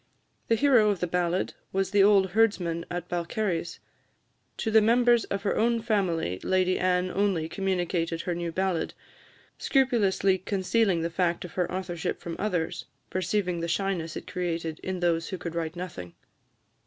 The hero of the ballad was the old herdsman at Balcarres. To the members of her own family Lady Anne only communicated her new ballad scrupulously concealing the fact of her authorship from others, "perceiving the shyness it created in those who could write nothing."